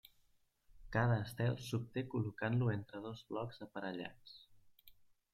Cada estel s'obté col·locant-lo entre dos blocs aparellats.